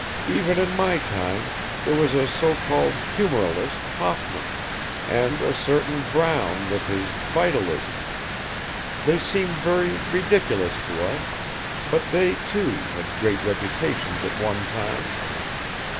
Even in my time, there was a so called humoralist Hoffman, and a certain Brown with his vitalism they seemed very ridiculous to us, but they, too, had great reputations at one time.